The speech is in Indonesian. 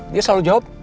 dia selalu jawab